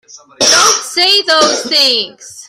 Don't say those things!